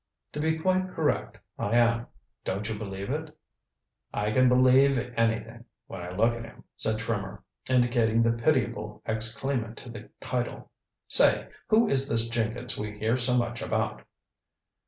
"To be quite correct, I am. Don't you believe it?" "I can believe anything when I look at him," said Trimmer, indicating the pitiable ex claimant to the title. "Say, who is this Jenkins we hear so much about?"